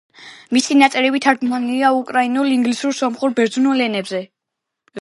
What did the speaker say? მისი ნაწერები თარგმნილია უკრაინულ, ინგლისურ, სომხურ, ბერძნულ ენებზე.